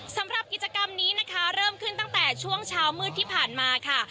สำหรับกิจกรรมนี้นะคะเริ่มขึ้นตั้งแต่ช่วงเช้ามืดที่ผ่านมาค่ะ